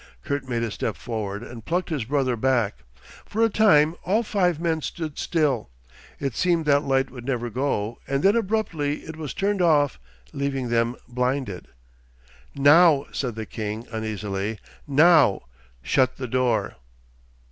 Kurt made a step forward and plucked his brother back. For a time all five men stood still. It seemed that light would never go and then abruptly it was turned off, leaving them blinded. 'Now,' said the king uneasily, 'now shut the door.